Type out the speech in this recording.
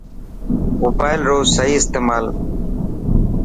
موبائل رو صحيح استعمال